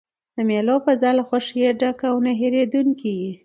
د مېلو فضا له خوښۍ ډکه او نه هېردونکې يي.